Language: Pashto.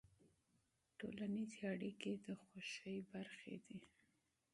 ټولنیزې اړیکې د خوښۍ کلیدي دي.